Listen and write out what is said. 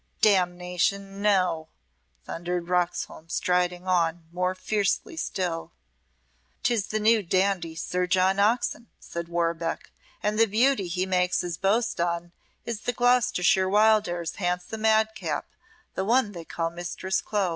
"Damnation, No!" thundered Roxholm, striding on more fiercely still. "'Tis the new dandy, Sir John Oxon," said Warbeck. "And the beauty he makes his boast on is the Gloucestershire Wildairs handsome madcap the one they call Mistress Clo."